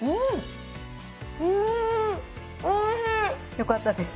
よかったです。